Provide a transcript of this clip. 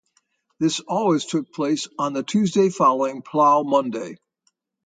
This always took place on the Tuesday following Plough Monday.